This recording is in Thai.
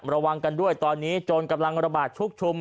ระวังกันด้วยตอนนี้โจรกำลังระบาดชุกชุม